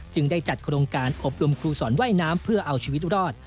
ได้จัดโครงการอบรมครูสอนว่ายน้ำเพื่อเอาชีวิตรอด